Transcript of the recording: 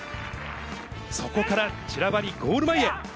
そこからちらばり、ゴール前へ。